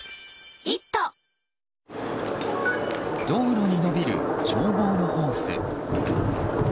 道路にのびる消防のホース。